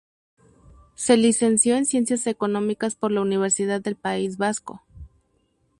Se licenció en Ciencias Económicas por la Universidad del País Vasco.